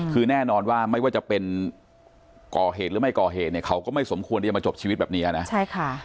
คือแน่นอนว่าไม่ว่าจะเป็นก่อเหตุหรือไม่ก่อเหตุเนี่ยเขาก็ไม่สมควรที่จะมาจบชีวิตแบบเนี้ยนะใช่ค่ะ